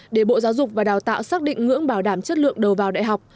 để bộ giáo dục và đào tạo xác định ngưỡng bảo đảm chất lượng đầu vào đại học